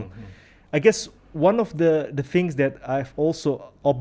saya rasa salah satu hal yang saya lihat